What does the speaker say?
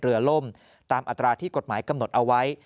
ล่มตามอัตราที่กฎหมายกำหนดเอาไว้